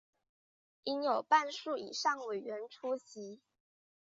应有半数以上委员出席